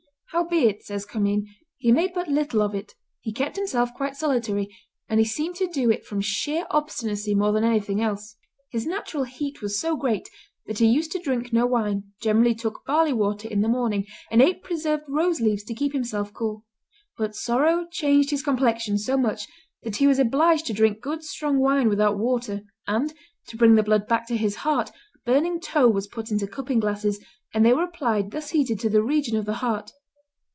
"Howbeit," says Commynes, "he made but little of it; he kept himself quite solitary, and he seemed to do it from sheer obstinacy more than anything else. His natural heat was so great that he used to drink no wine, generally took barley water in the morning and ate preserved rose leaves to keep himself cool; but sorrow changed his complexion so much that he was obliged to drink good strong wine without water, and, to bring the blood back to his heart, burning tow was put into cupping glasses, and they were applied thus heated to the region of the heart.